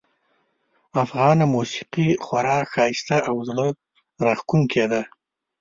افغانه موسیقي خورا ښایسته او زړه راښکونکې ده